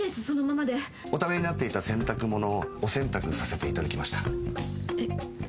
そのままでおためになっていた洗濯物をお洗濯させていただきましたえっ